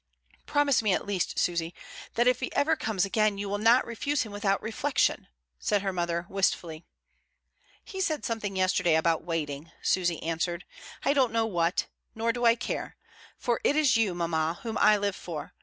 "Promise me at least, Susy, that if he ever comes again you will not refuse him without reflec tion," said her mother, wistfully. "He said something yesterday about waiting," Susy answered, "I don't know what, nor do I care. For it is you, mamma, whom I live for.